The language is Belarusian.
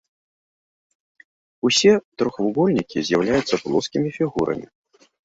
Усе трохвугольнікі з'яўляюцца плоскімі фігурамі.